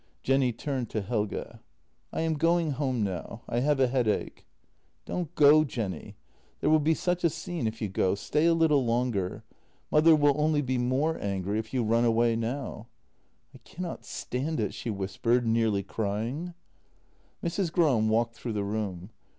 Jenny turned to Helge: " I am going home now — I have a headache." " Don't go, Jenny. There will be such a scene if you go. Stay a little longer. Mother will only be more angry if you run away now." " I cannot stand it," she whispered, nearly crying. Mrs. Gram walked through the room.